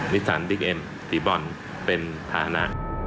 นิสสารบิ๊กเอ็มสีบรอนเป็นภาษณะ